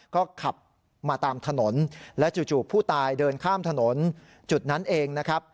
ก็ขับมาตามถนนและจู่ผู้ตายเดินข้ามถนนจุดนั้นเองนะครับ